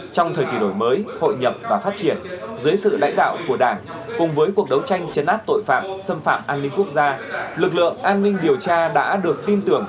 trong thời kỳ đổi mới hội nhập và phát triển dưới sự lãnh đạo của đảng cùng với cuộc đấu tranh chấn áp tội phạm xâm phạm an ninh quốc gia lực lượng an ninh điều tra đã được tin tưởng